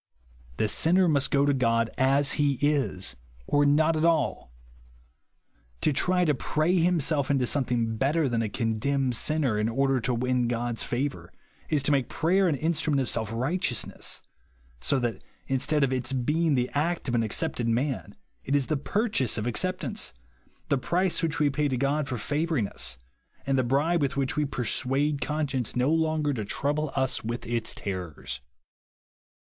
The sinner must go to God as he is, or not ai all. To try to pray himself into something better than a condemned sinner, in order to win God's favour, is to make prayer an instrument of self right eousness ; so that, instead of its being the act of an accepted man, it is the purchase of acceptance,— the price which we pay to God for favouring us, and the bribe with which we j^ersuade conscience no longer to trouble us with its terrors.